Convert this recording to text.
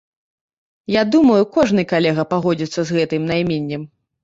Я думаю, кожны калега пагодзіцца з гэтым найменнем.